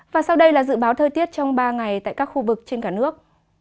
và sau đây là dự báo thời tiết trong ba ngày tại các khu vực trên cả nước